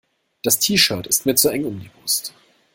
Das T-Shirt ist mir zu eng um die Brust.